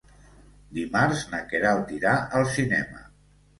Dimarts na Queralt irà al cinema.